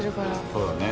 そうだね。